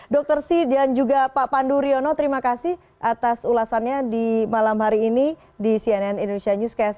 dr si dan juga pak pandu riono terima kasih atas ulasannya di malam hari ini di cnn indonesia newscast